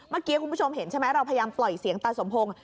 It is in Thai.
เมื่อกี้คุณผู้ชมเห็นใช่ไหมเราพยายามปล่อยเสียงตาสมพงศ์